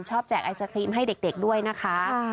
แจกไอศครีมให้เด็กด้วยนะคะ